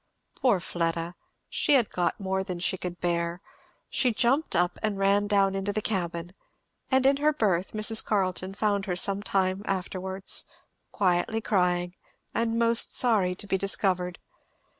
Poor Fleda! She had got more than she could bear. She jumped up and ran down into the cabin; and in her berth Mrs. Carleton found her some time afterwards, quietly crying, and most sorry to be discovered.